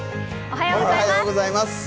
おはようございます。